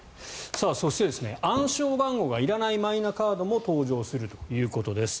暗証番号がいらないカードも登場するということです。